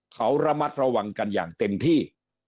เขาระมัดระวังกันอย่างเต็มที่